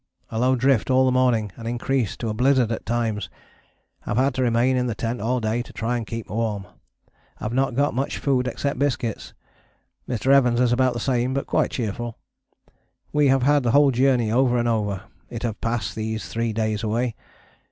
A low drift all the morning and increased to a blizzard at times. Have had to remain in the tent all day to try and keep warm. Have not got much food except biscuits. Mr. Evans is about the same but quite cheerful. We have had whole journey over and over: it have passed these three days away.